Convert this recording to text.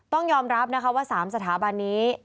ต้องยอมรับนะคะว่า๓สถาบันนี้